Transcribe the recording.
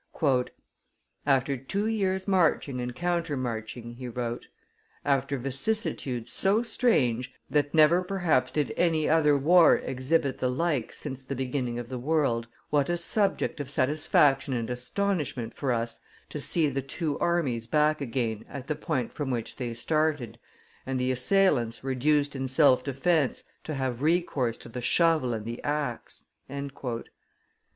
"After two years' marching and counter marching," he wrote, "after vicissitudes so strange that never perhaps did any other war exhibit the like since the beginning of the world, what a subject of satisfaction and astonishment for us to see the two armies back again at the point from which they started, and the assailants reduced in self defence to have recourse to the shovel and the axe!"